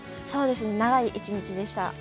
長い一日でした。